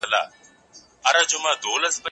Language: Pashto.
زه اجازه لرم چي مړۍ وخورم؟